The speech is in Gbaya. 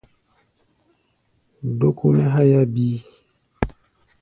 Dókó nɛ́ háyá bíí.